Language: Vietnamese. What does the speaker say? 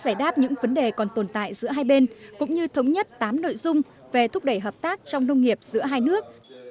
giải đáp những vấn đề còn tồn tại giữa hai bên cũng như thống nhất tám nội dung về thúc đẩy hợp tác trong nông nghiệp giữa hai nước